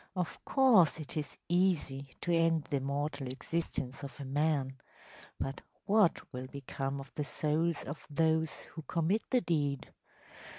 Of course it is easy to end the mortal existence of a man, but what will become of the souls of those who commit the deed?